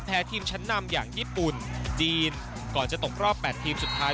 ทีมชั้นนำอย่างญี่ปุ่นจีนก่อนจะตกรอบ๘ทีมสุดท้าย